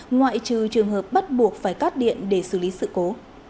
ngoại trừ trường hợp bắt buộc phải cắt điện để xử lý sự cố